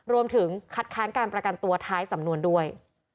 รวมถึงคัดค้านการประกันตัวท้ายสำนวนด้วย